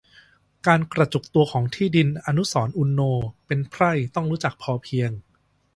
การกระจุกตัวของที่ดิน อนุสรณ์ อุณโณ: เป็นไพร่ต้องรู้จักพอเพียง